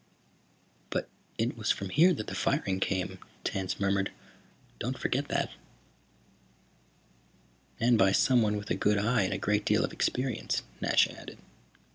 "But it was from here that the firing came," Tance murmured. "Don't forget that." "And by someone with a good eye and a great deal of experience," Nasha added.